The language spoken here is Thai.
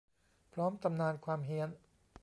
พร้อมตำนานความเฮี้ยน